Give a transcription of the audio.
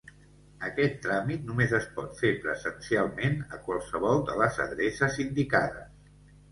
Aquest tràmit només es pot fer presencialment a qualsevol de les adreces indicades.